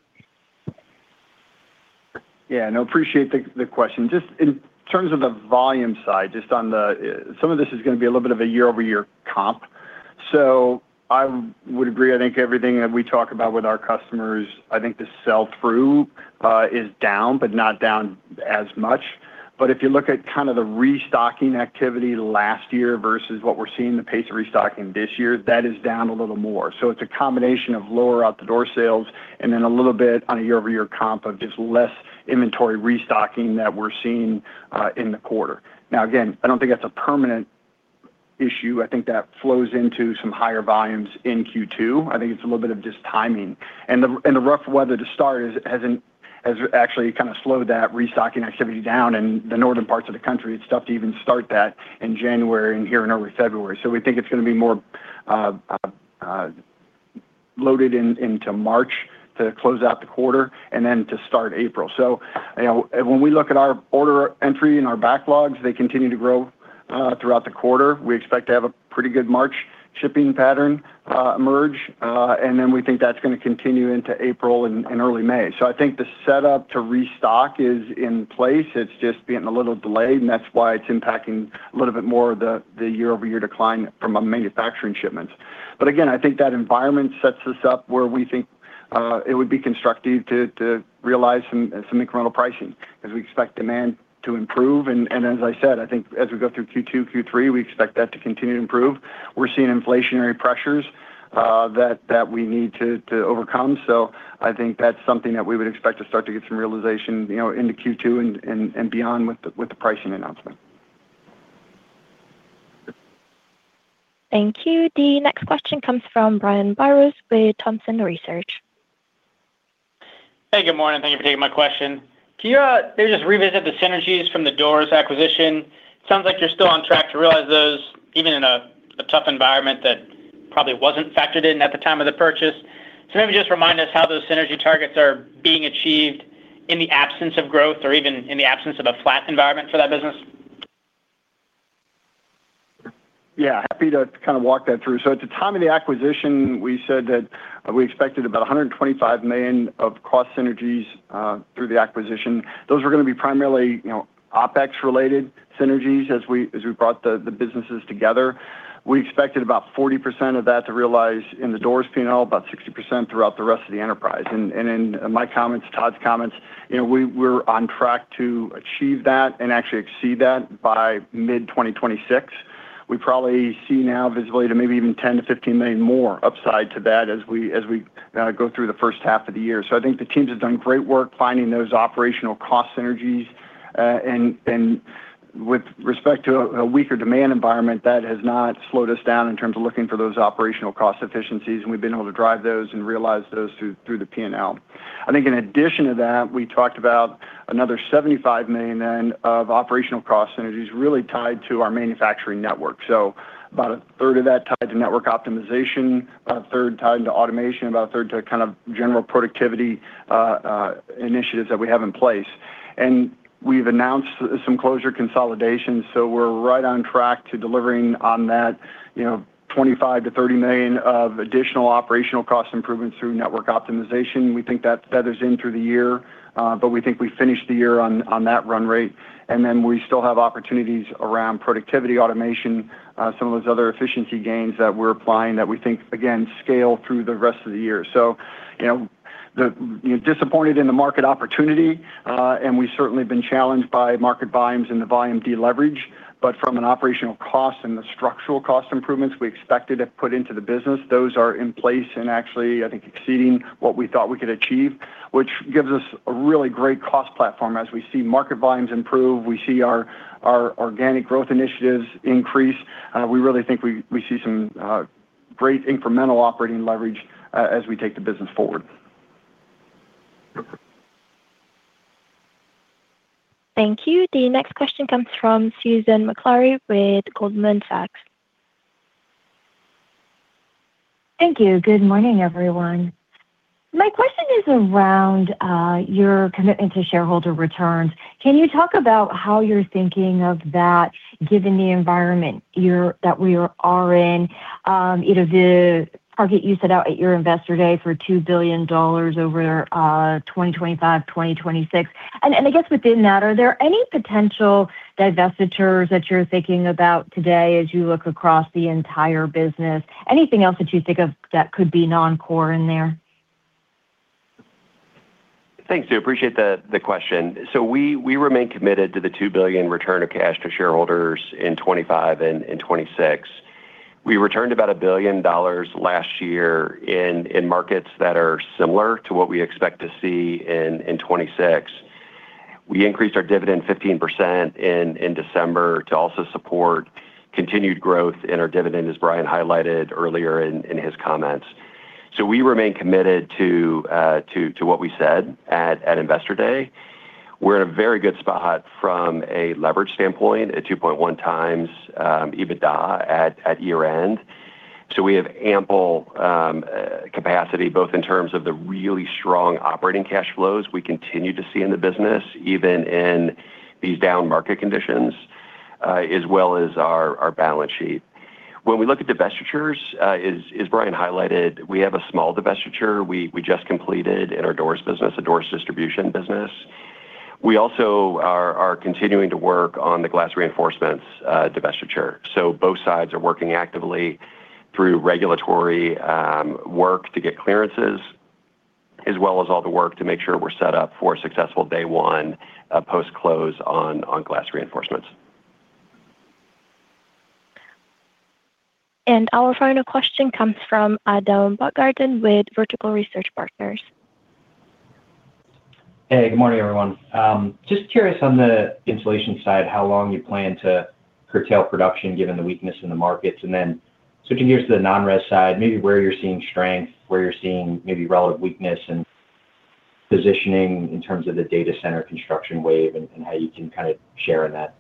Yeah, no, appreciate the question. Just in terms of the volume side, just on the. Some of this is gonna be a little bit of a year-over-year comp. I would agree, I think everything that we talk about with our customers, I think the sell-through is down, but not down as much. If you look at kind of the restocking activity last year versus what we're seeing the pace of restocking this year, that is down a little more. It's a combination of lower out-the-door sales and then a little bit on a year-over-year comp of just less inventory restocking that we're seeing in the quarter. Now, again, I don't think that's a permanent issue. I think that flows into some higher volumes in Q2. I think it's a little bit of just timing. The rough weather to start has actually kind of slowed that restocking activity down in the northern parts of the country. It's tough to even start that in January and here in early February. We think it's gonna be more loaded into March to close out the quarter, and then to start April. You know, when we look at our order entry and our backlogs, they continue to grow throughout the quarter. We expect to have a pretty good March shipping pattern emerge, and then we think that's gonna continue into April and early May. I think the setup to restock is in place. It's just being a little delayed, and that's why it's impacting a little bit more of the year-over-year decline from a manufacturing shipments. Again, I think that environment sets us up where we think it would be constructive to realize some incremental pricing as we expect demand to improve. As I said, I think as we go through Q2, Q3, we expect that to continue to improve. We're seeing inflationary pressures that we need to overcome, so I think that's something that we would expect to start to get some realization, you know, into Q2 and beyond with the pricing announcement. Thank you. The next question comes from Brian Biros with Thompson Research. Hey, good morning. Thank you for taking my question. Can you maybe just revisit the synergies from the Doors acquisition? It sounds like you're still on track to realize those, even in a tough environment that probably wasn't factored in at the time of the purchase. Maybe just remind us how those synergy targets are being achieved in the absence of growth or even in the absence of a flat environment for that business. Yeah, happy to kind of walk that through. At the time of the acquisition, we said that we expected about $125 million of cost synergies through the acquisition. Those were gonna be primarily OpEx related synergies as we brought the businesses together. We expected about 40% of that to realize in the Doors P&L, about 60% throughout the rest of the enterprise. And in my comments, Todd's comments, we're on track to achieve that and actually exceed that by mid 2026. We probably see now visually to maybe even $10 million-$15 million more upside to that as we go through the first half of the year. I think the teams have done great work finding those operational cost synergies. With respect to a weaker demand environment, that has not slowed us down in terms of looking for those operational cost efficiencies, and we've been able to drive those and realize those through the P&L. I think in addition to that, we talked about another $75 million then of operational cost synergies really tied to our manufacturing network. About a third of that tied to network optimization, about a third tied to automation, about a third to kind of general productivity initiatives that we have in place. We've announced some closure consolidation, so we're right on track to delivering on that, you know, $25 million-$30 million of additional operational cost improvements through network optimization. We think that feathers in through the year, we think we finished the year on that run rate. We still have opportunities around productivity automation, some of those other efficiency gains that we're applying that we think, again, scale through the rest of the year. You know, disappointed in the market opportunity, and we've certainly been challenged by market volumes and the volume deleverage, but from an operational cost and the structural cost improvements we expected to put into the business, those are in place and actually, I think, exceeding what we thought we could achieve, which gives us a really great cost platform. We see market volumes improve, we see our organic growth initiatives increase, we really think we see some great incremental operating leverage as we take the business forward. Thank you. The next question comes from Susan Maklari with Goldman Sachs. Thank you. Good morning, everyone. My question is around your commitment to shareholder returns. Can you talk about how you're thinking of that, given the environment that we are in? You know, the target you set out at your Investor Day for $2 billion over 2025, 2026. I guess within that, are there any potential divestitures that you're thinking about today as you look across the entire business? Anything else that you think of that could be non-core in there? Thanks, Susan Maklari. Appreciate the question. We remain committed to the $2 billion return of cash to shareholders in 2025 and 2026. We returned about $1 billion last year in markets that are similar to what we expect to see in 2026. We increased our dividend 15% in December to also support continued growth in our dividend, as Brian Chambers highlighted earlier in his comments. We remain committed to what we said at Investor Day. We're in a very good spot from a leverage standpoint, at 2.1 times EBITDA at year-end. We have ample capacity, both in terms of the really strong operating cash flows we continue to see in the business, even in these down market conditions, as well as our balance sheet. When we look at divestitures, as Brian highlighted, we have a small divestiture we just completed in our Doors business, the Doors distribution business. We also are continuing to work on the glass reinforcements, divestiture. Both sides are working actively through regulatory, work to get clearances, as well as all the work to make sure we're set up for a successful day one, post-close on glass reinforcements. Our final question comes from Adam Baumgarten with Vertical Research Partners. Hey, good morning, everyone. Just curious on the installation side, how long you plan to curtail production given the weakness in the markets? Switching gears to the non-res side, maybe where you're seeing strength, where you're seeing maybe relative weakness and positioning in terms of the data center construction wave and how you can kind of share in that.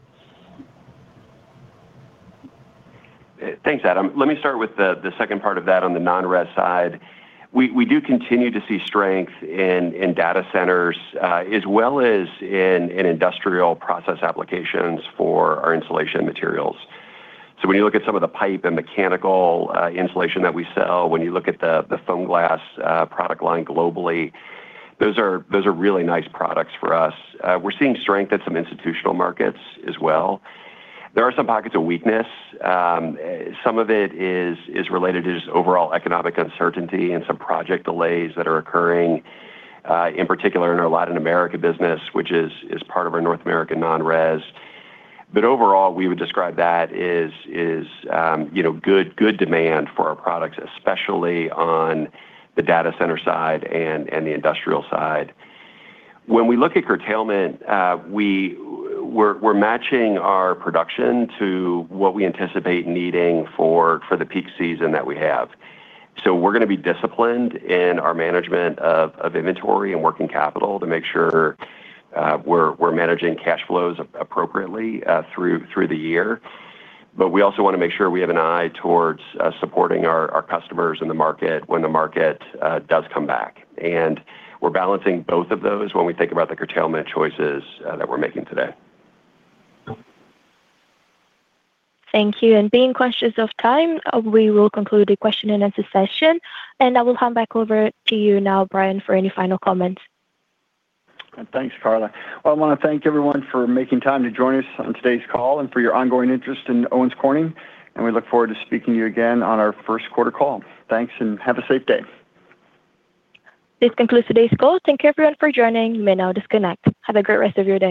Thanks, Adam. Let me start with the second part of that on the non-res side. We do continue to see strength in data centers, as well as in industrial process applications for our insulation materials. When you look at some of the pipe and mechanical insulation that we sell, when you look at the FOAMGLAS product line globally, those are really nice products for us. We're seeing strength at some institutional markets as well. There are some pockets of weakness. Some of it is related to just overall economic uncertainty and some project delays that are occurring in particular in our Latin America business, which is part of our North American non-res. Overall, we would describe that as, you know, good demand for our products, especially on the data center side and the industrial side. When we look at curtailment, we're matching our production to what we anticipate needing for the peak season that we have. We're gonna be disciplined in our management of inventory and working capital to make sure we're managing cash flows appropriately through the year. We also wanna make sure we have an eye towards supporting our customers in the market when the market does come back. We're balancing both of those when we think about the curtailment choices that we're making today. Thank you. Being questions of time, we will conclude the question and answer session. I will hand back over to you now, Brian, for any final comments. Thanks, Carla. I wanna thank everyone for making time to join us on today's call and for your ongoing interest in Owens Corning, and we look forward to speaking to you again on our first quarter call. Thanks. Have a safe day. This concludes today's call. Thank you, everyone, for joining. You may now disconnect. Have a great rest of your day.